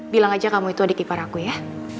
bilang aja kamu itu adik ipar aku ya